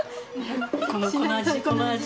この味この味。